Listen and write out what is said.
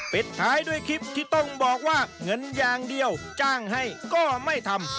ปิดท้ายด้วยคลิปที่ต้องบอกว่าเงินอย่างเดียวจ้างให้ก็ไม่ทำ